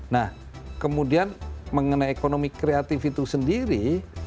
nah kemudian mengenai ekonomi kreatif itu sendiri